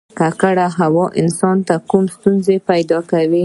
ککړه هوا انسان ته کومې ستونزې پیدا کوي